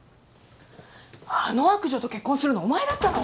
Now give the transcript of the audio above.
あの悪女と結婚するのお前だったの？